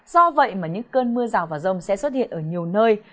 do vậy mà những cơn mưa rào và rông sẽ xuất hiện ở nhiều nơi